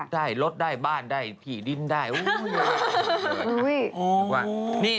ได้รถได้บ้านได้ผีดินได้